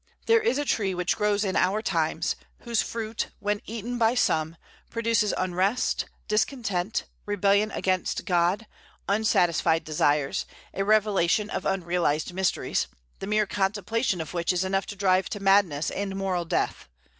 There is a tree which grows in our times, whose fruit, when eaten by some, produces unrest, discontent, rebellion against God, unsatisfied desires, a revelation of unrealized miseries, the mere contemplation of which is enough to drive to madness and moral death.